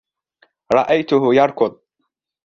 رأيته يركض.